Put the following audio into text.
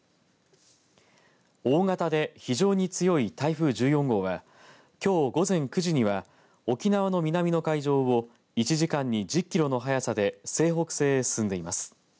大型で非常に強い台風１４号はきょう午前９時には沖縄の南の海上を１時間に１０キロの速さで西北西へ進んでいます。